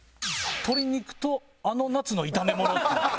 「鶏肉とあの夏の炒めもの」っていう。